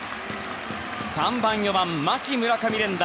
３番、４番、牧と村上の連打。